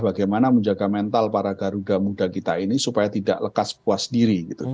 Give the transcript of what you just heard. bagaimana menjaga mental para garuda muda kita ini supaya tidak lekas puas diri